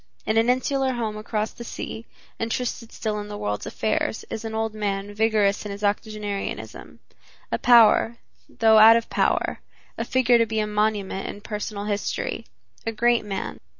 In an insular home across the sea, interested still in the world's affairs, is an old man vigorous in his octogenarianism, a power, though out of power, a figure to be a monument in personal history, a great man.